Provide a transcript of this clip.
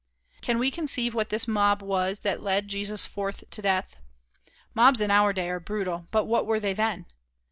Can we conceive what this mob was, that led Jesus forth to death? Mobs in our day are brutal, but what were they then?